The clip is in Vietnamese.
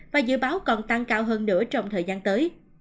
và dự báo còn tăng cao hơn nữa trong thời gian tới